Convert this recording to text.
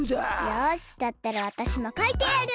よしだったらわたしもかいてやる。